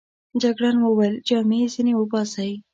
جګړن وویل: جامې يې ځینې وباسئ.